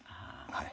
はい。